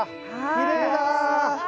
きれいだな。